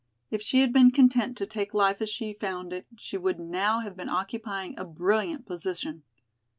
If she had been content to take life as she found it she would now have been occupying a brilliant position.